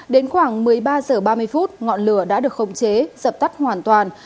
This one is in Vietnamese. đến khoảng một mươi ba h ba mươi ngọn lửa đã được khống chế sập tắt hoàn toàn